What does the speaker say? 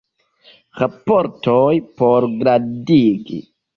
Raportoj por gradigi.